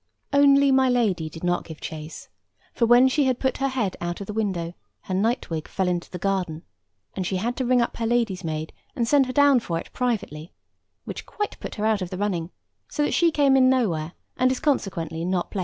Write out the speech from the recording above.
Only my Lady did not give chase; for when she had put her head out of the window, her night wig fell into the garden, and she had to ring up her lady's maid, and send her down for it privately, which quite put her out of the running, so that she came in nowhere, and is consequently not placed.